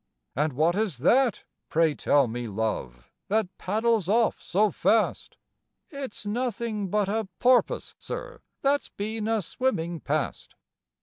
"And what is that, pray tell me, love, that paddles off so fast?" "It's nothing but a porpoise, sir, that 's been a swimming past."